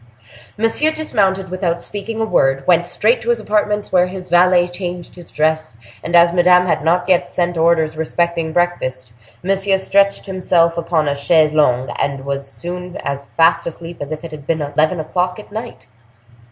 Monsieur dismounted without speaking a word, went straight to his apartments, where his valet changed his dress, and as Madame had not yet sent orders respecting breakfast, Monsieur stretched himself upon a chaise longue, and was soon as fast asleep as if it had been eleven o'clock at night.